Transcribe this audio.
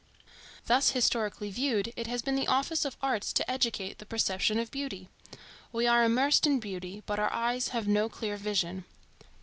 Thus, historically viewed, it has been the office of art to educate the perception of beauty. We are immersed in beauty, but our eyes have no clear vision.